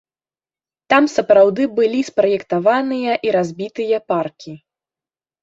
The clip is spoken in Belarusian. Там сапраўды былі спраектаваныя і разбітыя паркі.